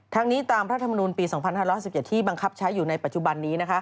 ทั้งนี้ตามรัฐธรรมนูลปี๒๕๑๗ที่บังคับใช้อยู่ในปัจจุบันนี้